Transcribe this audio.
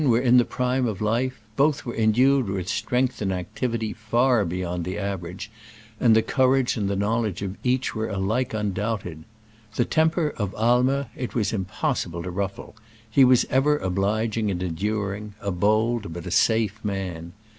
77 were in the prime of life, both were en dued with strength and activity far be yond the average, and the courage and the knowledge of each were alike un doubted. The temper of Aimer it was impossible to ruffle : he was ever oblig ing and enduring — a bold but a safe man.